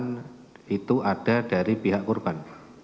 pemeriksaan itu ada dari pihak korban